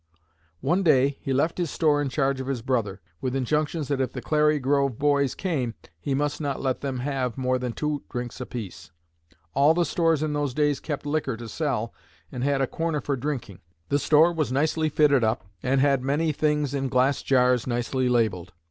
One day he left his store in charge of his brother, with injunctions that if the 'Clary Grove boys' came he must not let them have more than two drinks apiece. All the stores in those days kept liquor to sell and had a corner for drinking. The store was nicely fitted up, and had many things in glass jars nicely labelled.